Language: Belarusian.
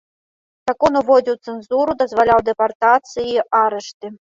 Закон уводзіў цэнзуру, дазваляў дэпартацыі і арышты.